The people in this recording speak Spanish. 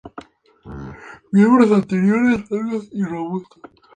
Miembros anteriores largos y robustos.